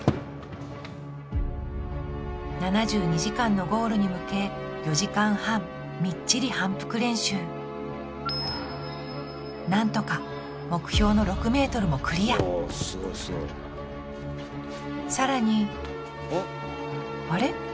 ７２時間のゴールに向け４時間半みっちり反復練習なんとか目標の６ｍもクリアさらにあれ？